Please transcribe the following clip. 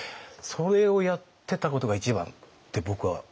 それをやってたことが一番って僕は思ったんですね。